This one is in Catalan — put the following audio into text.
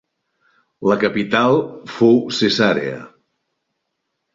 La capital fou Cesarea.